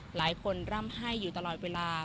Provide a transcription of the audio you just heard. หลายคนร่ำไห้อยู่ตลอดเวลา